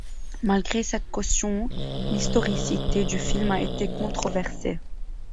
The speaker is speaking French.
Malgré cette caution, l'historicité du film a été controversée.